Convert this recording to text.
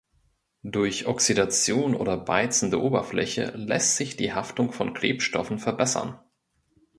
Durch Oxidation oder Beizen der Oberfläche lässt sich die Haftung von Klebstoffen verbessern.